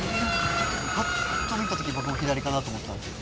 ぱっと見たとき僕も左かなと思ったんですよ。